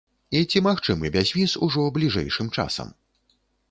І ці магчымы бязвіз ужо бліжэйшым часам?